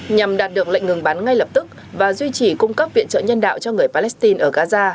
nhằm đạt được lệnh ngừng bắn ngay lập tức và duy trì cung cấp viện trợ nhân đạo cho người palestine ở gaza